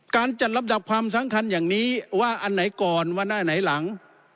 การจัดลำดับความสำคัญอย่างนี้ว่าอันไหนก่อนวันอันไหนหลัง